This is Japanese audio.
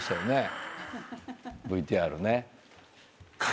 ＶＴＲね。